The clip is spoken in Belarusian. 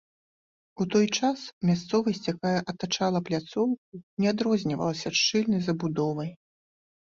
У той час мясцовасць, якая атачала пляцоўку, не адрознівалася шчыльнай забудовай.